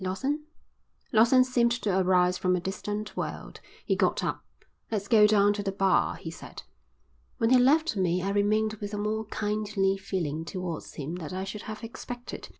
Lawson?" Lawson seemed to arise from a distant world. He got up. "Let's go down to the bar," he said. When he left me I remained with a more kindly feeling towards him than I should have expected.